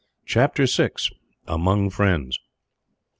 Chapter 6: Among Friends.